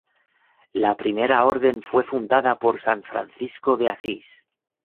La Primera Orden fue fundada por san Francisco de Asís.